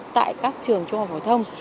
tại các trường trung học hồ thông